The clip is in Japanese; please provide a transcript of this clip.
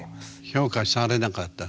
評価されなかった？